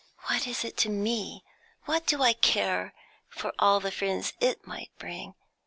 What is it to me? What do I care for all the friends it might bring?